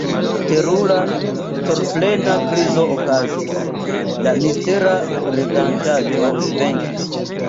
Terura, sortoplena krizo okazis: la mistera regantaĵo venkis.